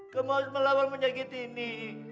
kamu harus melawan penyakit ini